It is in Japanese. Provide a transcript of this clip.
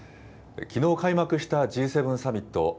きのう開幕したＧ７サミット。